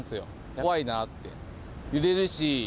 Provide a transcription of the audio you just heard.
怖いなって。